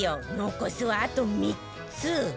残すはあと３つ